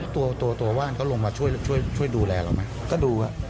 ตัวว่านเขาลงมาช่วยดูแลเราไหมก็ดู